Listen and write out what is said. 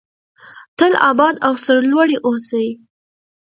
تل اباد او سرلوړي اوسئ.